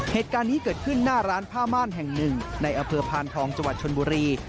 เหตุการณ์นี้เกิดขึ้นหน้าร้านผ้าม่านแห่งหนึ่งในอำเภอพานทองจังหวัดชนบุรี